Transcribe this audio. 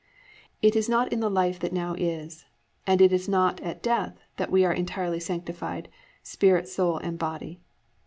"+ _It is not in the life that now is, and it is not at death, that we are entirely sanctified, spirit, soul, and body.